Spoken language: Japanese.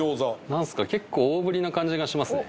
何すか結構大ぶりな感じがしますね